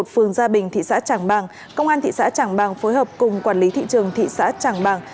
phường gia bình thị xã tràng bàng công an thị xã tràng bàng phối hợp cùng quản lý thị trường thị xã tràng bàng